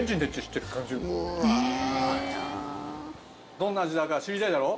どんな味だか知りたいだろ？